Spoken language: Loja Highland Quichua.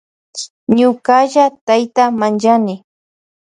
Ñukalla kayta manllani.